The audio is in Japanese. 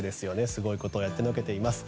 すごいことをやってのけています。